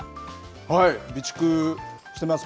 はい、備蓄してます。